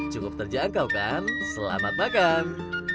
cukup terjangkau kan selamat makan